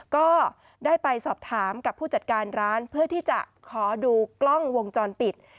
ก็ได้ไปสอบถามกับผู้จัดการร้านเพื่อที่จะขอดูกล้องวงจรปิด